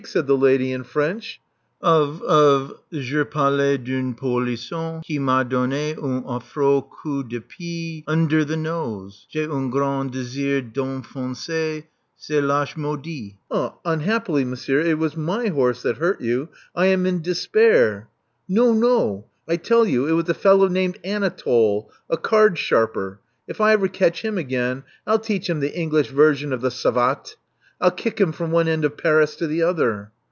said the lady in French. Of — of — ^je parle d*un polisson qui m'a donn6 un affreux coup de pied under the nose. J'ai un grand d^sir d*enfoncer ce lache maudit." ''Unhappily, monsieur, it was my horse that hurt you. I am in despair " No, no. I tell you it was a fellow named Annatoal, a card sharper. If I ever catch him again, I'll teach him the English version of the savate: 1*11 kick him from one end of Paris to the other."